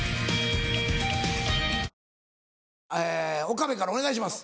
岡部からお願いします。